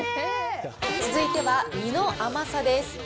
続いては実の甘さです。